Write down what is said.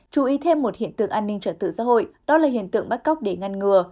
chú ý thêm một hiện tượng an ninh trật tự xã hội đó là hiện tượng bắt cóc để ngăn ngừa